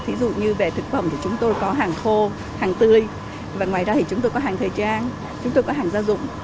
thí dụ như về thực phẩm thì chúng tôi có hàng khô hàng tươi và ngoài ra thì chúng tôi có hàng thời trang chúng tôi có hàng gia dụng